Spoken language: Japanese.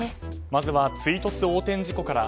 まずは追突横転事故から。